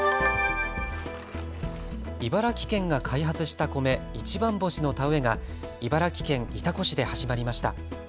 茨城県が開発した米、一番星の田植えが茨城県潮来市で始まりました。